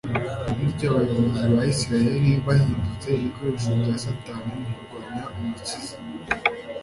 Bityo, abayobozi ba Isiraheli bahindutse ibikoresho bya Satani mu kurwanya Umukiza.